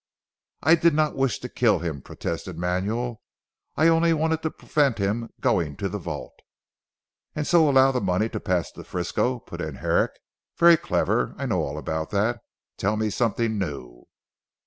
"I did not wish to kill him," protested Manuel, "I only wanted to prevent him going to the vault." "And so allow the money to pass to Frisco," put in Herrick, "very clever. I know all about that. Tell me something new."